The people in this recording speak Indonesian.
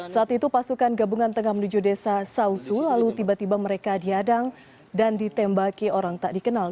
saat itu pasukan gabungan tengah menuju desa sausu lalu tiba tiba mereka diadang dan ditembaki orang tak dikenal